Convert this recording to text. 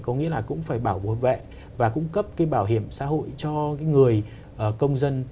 có nghĩa là cũng phải bảo vệ và cũng cấp cái bảo hiểm xã hội cho người công dân